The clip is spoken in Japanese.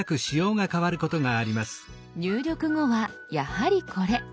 入力後はやはりこれ。